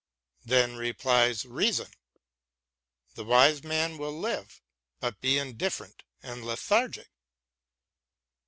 Then replies Reason :" The wise man will live, but be indifferent and lethargic."